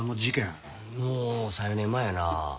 もう３４年前やな。